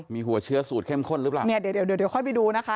มีหัวเชื้อสูตรเข้มข้นหรือเปล่าเดี๋ยวค่อยไปดูนะคะ